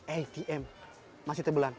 atm masih tebalan